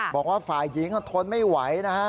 บอกว่าฝ่ายหญิงทนไม่ไหวนะฮะ